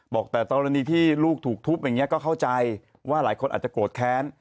บอกแต่กรณีที่ลูกถูกทุบอย่างนี้ก็เข้าใจว่าหลายคนอาจจะโกรธแค้น